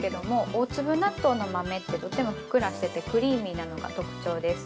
大粒納豆の豆ってとてもふっくらしててクリーミーなのが特徴です。